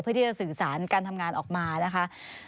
เพื่อที่จะสื่อสารการทำงานออกมานะคะ